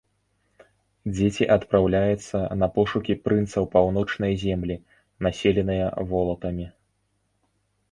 Дзеці адпраўляюцца на пошукі прынца ў паўночныя землі, населеныя волатамі.